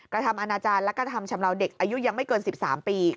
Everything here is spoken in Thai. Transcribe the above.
กระทำอาณาจารย์และกระทำชำราวเด็กอายุยังไม่เกิน๑๓ปี